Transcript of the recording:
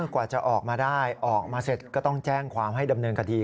กว่าจะออกมาได้ออกมาเสร็จก็ต้องแจ้งความให้ดำเนินคดี